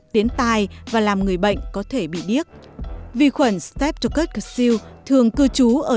gây tai và làm người bệnh có thể bị điếc vi khuẩn streptococcus seal thường cư trú ở